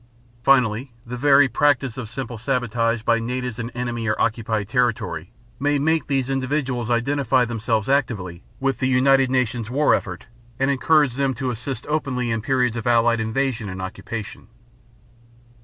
Finally, the very practice of simple sabotage by natives in enemy or occupied territory may make these individuals identify themselves actively with the United Nations war effort, and encourage them to assist openly in periods of Allied invasion and occupation.